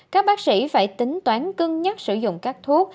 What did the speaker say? các bác sĩ phải tính toán cân nhắc sử dụng các thuốc